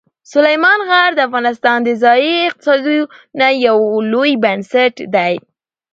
سلیمان غر د افغانستان د ځایي اقتصادونو یو لوی بنسټ دی.